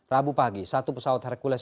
rabu pagi satu pesawat hercules